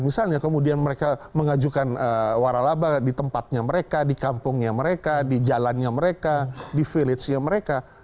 misalnya kemudian mereka mengajukan waralaba di tempatnya mereka di kampungnya mereka di jalannya mereka di village nya mereka